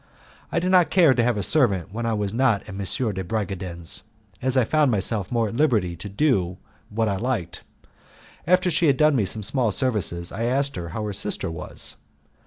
I did not care to have a servant when I was not at M. de Bragadin's, as I found myself more at liberty to do what I liked. After she had done me some small services, I asked her how her sister was.